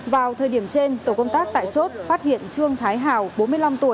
vào thời điểm trên tổ công tác tại chốt phát hiện trương thái hào bốn mươi năm tuổi